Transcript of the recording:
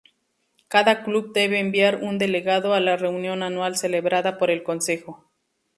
Cada club debe enviar un delegado a la reunión anual celebrada por el consejo.